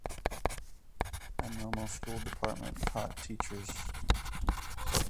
A normal school department taught teachers.